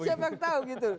siapa yang tahu gitu